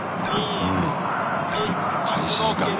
開始時間ね。